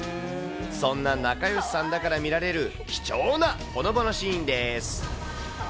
そんな仲よしさんだから見られる貴重なほのぼのシーンです。